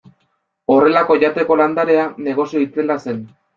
Horrelako jateko landarea negozio itzela zen.